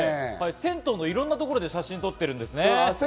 銭湯のいろんなところで写真を撮ってるんですよね。